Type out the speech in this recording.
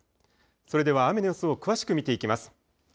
それでは雨の様子を詳しく見ていきます。